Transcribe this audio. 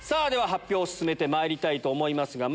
では発表進めてまいりたいと思います。